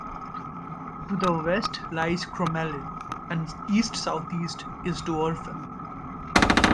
To the west lies Crommelin, and east-southeast is Doerfel.